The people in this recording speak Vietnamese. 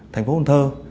thành phố hồn thơ